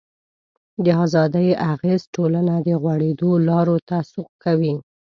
د ازادۍ اغېز ټولنه د غوړېدلو لارو ته سوق کوي.